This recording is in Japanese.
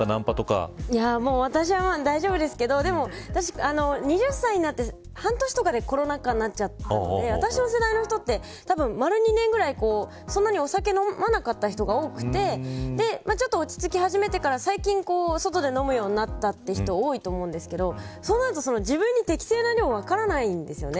私は大丈夫ですけど２０歳になって半年とかでコロナ禍になっちゃったんで私の世代の人ってたぶん、丸２年ぐらい、そんなにお酒を飲まなかった人が多くて落ち着き始めてから最近、外で飲むようになったという人が多いと思うんですけどそうなると自分に適正な量が分からないんですよね。